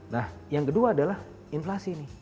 nah yang kedua adalah inflasi nih